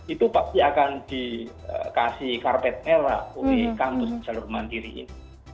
itu pasti akan dikasih karpet merah oleh kampus jalur mandiri ini